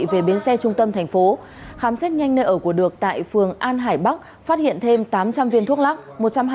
về biến xe trung tâm thành phố khám xét nhanh nơi ở của được tại phường an hải bắc phát hiện thêm tám trăm linh viên thuốc lắc